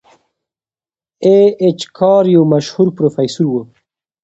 ای اېچ کار یو مشهور پروفیسور و.